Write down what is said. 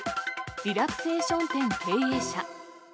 リラクゼーション店経営者。